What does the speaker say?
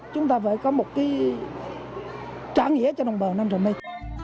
chúng ta phải có một cái trả nghĩa cho đồng bào nam trà my